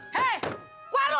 hei keluar lo